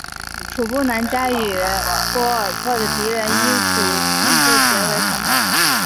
楚布南嘉与廓尔喀的敌人英属印度结为同盟。